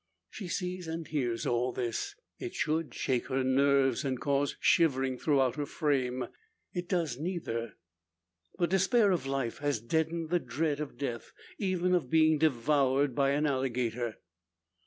She sees, and hears all this. It should shake her nerves, and cause shivering throughout her frame. It does neither. The despair of life has deadened the dread of death even of being devoured by an alligator!